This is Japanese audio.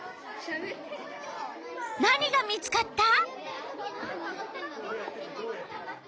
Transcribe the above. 何が見つかった？